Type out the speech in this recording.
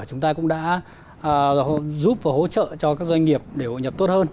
chúng ta cũng đã giúp và hỗ trợ cho các doanh nghiệp để hội nhập tốt hơn